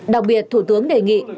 đặc biệt thủ tướng đề nghị